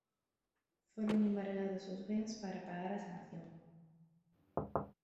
Fóronlle embargados os bens para pagar a sanción.